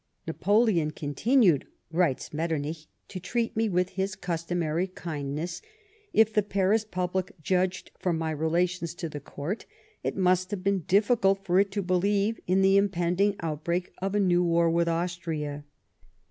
"Napoleon continued," writes Metternich, "to treat me with his customary kindness. ... If the Paris })ublic judged from my relations to the ('ourt, it must have been difficult for it to believe in the impending outbreak of a new war \\ ith Austria."